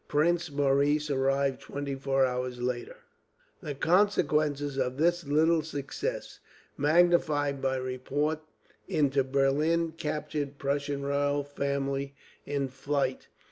Prince Maurice arrived twenty four hours later. The consequences of this little success magnified by report into "Berlin captured, Prussian royal family in flight."